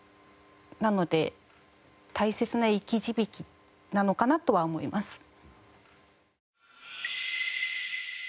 なので大切な生き字引なのかなとは思います。